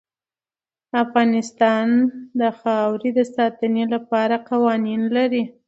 افغانستان د خاوره د ساتنې لپاره قوانین لري.